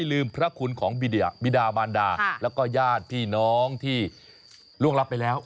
ลืมพระคุณของบิดามานดาแล้วก็ญาติพี่น้องที่ล่วงรับไปแล้ว